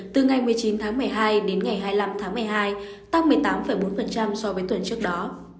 từ ngày một mươi chín tháng một mươi hai đến ngày hai mươi năm tháng một mươi hai tăng một mươi tám bốn so với tuần trước đó